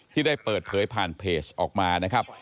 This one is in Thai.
ที่ได้เปิดเผยผ่านเพจออกมานะครับ